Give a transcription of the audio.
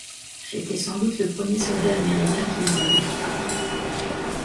J’étais sans doute le premier soldat américain qu'ils aient vu.